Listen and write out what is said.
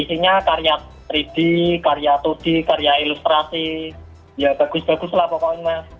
maksudnya karya tiga d karya dua d karya ilustrasi ya bagus bagus lah pokoknya